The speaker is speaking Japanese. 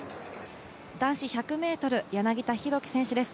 男子１００ｍ、柳田選手です。